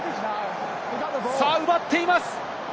奪っています！